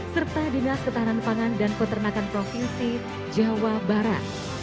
serta dinas ketahanan pangan dan peternakan provinsi jawa barat